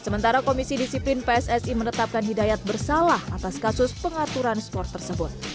sementara komisi disiplin pssi menetapkan hidayat bersalah atas kasus pengaturan skor tersebut